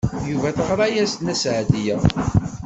Yuba teɣra-as-d Nna Seɛdiya.